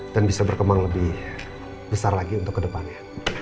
dan bisa berkembang lebih besar lagi untuk ke depannya